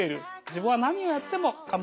自分は何をやっても構わない。